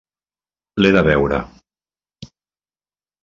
L'he de veure.